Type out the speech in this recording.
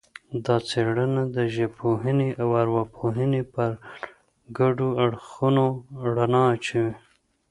دا څېړنه د ژبپوهنې او ارواپوهنې پر ګډو اړخونو رڼا اچوي